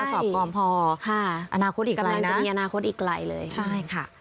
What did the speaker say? สอบก่อนพอค่ะอนาคตอีกไกลนะจะมีอนาคตอีกไกลเลยใช่ค่ะ